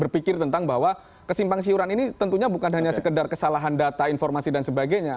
berpikir tentang bahwa kesimpang siuran ini tentunya bukan hanya sekedar kesalahan data informasi dan sebagainya